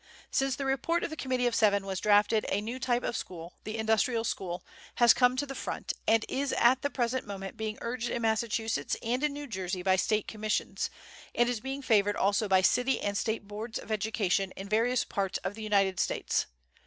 Since the report of the Committee of Seven was drafted a new type of school, the industrial school, has come to the front, and is at the present moment being urged in Massachusetts and in New Jersey by State commissions, and is being favored also by city and State boards of education in various parts of the United States.